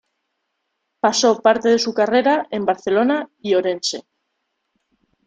Pasó parte de su carrera en Barcelona y Orense.